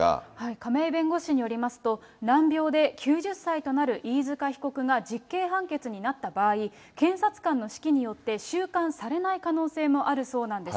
亀井弁護士によりますと、難病で９０歳となる飯塚被告が実刑判決になった場合、検察官の指揮によって収監されない可能性もあるそうなんです。